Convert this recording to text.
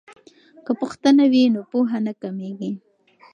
که پوښتنه وي نو پوهه نه کمیږي.